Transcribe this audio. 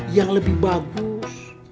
yang lebih bagus